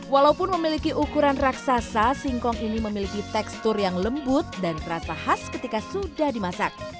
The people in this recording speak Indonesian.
walaupun memiliki ukuran raksasa singkong ini memiliki tekstur yang lembut dan terasa khas ketika sudah dimasak